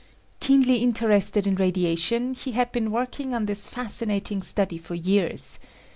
Keenly interested in radiation he had been working on this fascinating study for years.